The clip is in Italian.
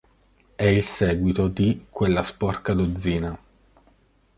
È il seguito di "Quella sporca dozzina".